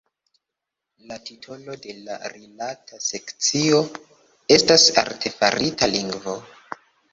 La titolo de la rilata sekcio estas Artefarita lingvo.